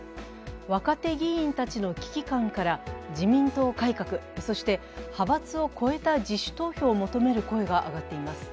若手議員たちの危機感から自民党改革、そして派閥を超えた自主投票を求める声が上がっています。